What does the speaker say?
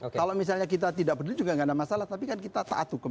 kalau misalnya kita tidak berdiri juga nggak ada masalah tapi kan kita taat hukum